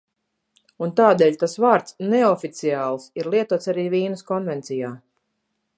"Un tādēļ tas vārds "neoficiāls" ir lietots arī Vīnes konvencijā."